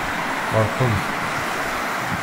Ɣelqemt-t.